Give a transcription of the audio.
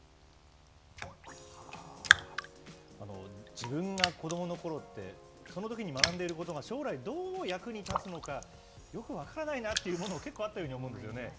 自分が子どものころって、そのときに学んでいることが将来どう役に立つのか、よく分からないなというもの、結構あったように思うんですよね。